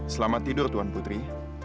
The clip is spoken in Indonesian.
selamat tidur tuan putri